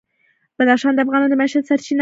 بدخشان د افغانانو د معیشت سرچینه ده.